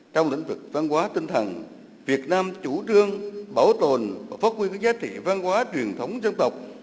trong lĩnh vực văn hóa tinh thần việt nam chủ trương bảo tồn và phát huy các giá trị văn hóa truyền thống dân tộc